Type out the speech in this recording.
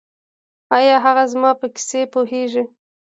ایا هغه زما په کیس پوهیږي؟